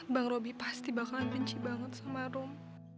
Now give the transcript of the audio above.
bang robi pasti bakalan benci banget sama rum